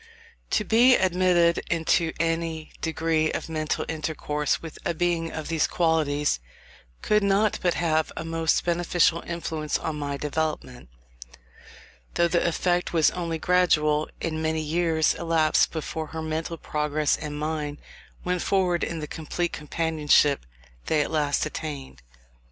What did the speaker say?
To be admitted into any degree of mental intercourse with a being of these qualities, could not but have a most beneficial influence on my development; though the effect was only gradual, and many years elapsed before her mental progress and mine went forward in the complete companionship they at last attained.